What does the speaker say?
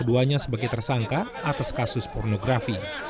keduanya sebagai tersangka atas kasus pornografi